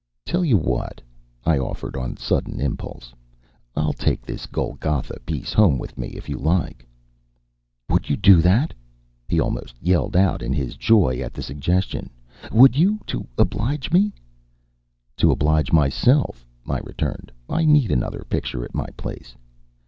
"Tell you what," I offered on sudden impulse; "I'll take this Golgotha piece home with me, if you like." "Would you do that?" he almost yelled out in his joy at the suggestion. "Would you, to oblige me?" "To oblige myself," I returned. "I need another picture at my place."